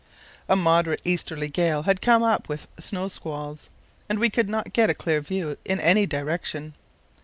A moderate easterly gale had come up with snow squalls, and we could not get a clear view in any direction.